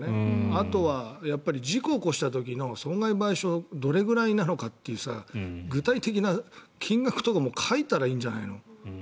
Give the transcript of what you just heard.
あとは、事故を起こした時の損害賠償がどれぐらいなのかという具体的な金額とかも書いたらいいんじゃないの。